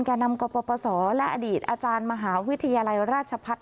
แก่นำกปศและอดีตอาจารย์มหาวิทยาลัยราชพัฒน์